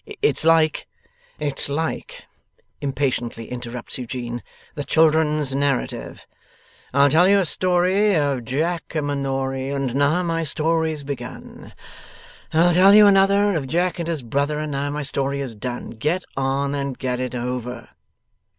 It's like ' 'It's like,' impatiently interrupts Eugene, 'the children's narrative: "I'll tell you a story Of Jack a Manory, And now my story's begun; I'll tell you another Of Jack and his brother, And now my story is done." Get on, and get it over!